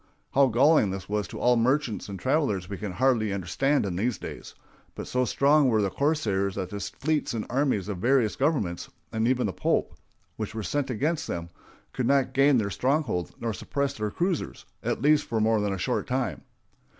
How galling this was to all merchants and travelers we can hardly understand in these days; but so strong were the corsairs that the fleets and armies of various governments, and even of the Pope, which were sent against them, could not gain their stronghold nor suppress their cruisers, at least for more than a short time.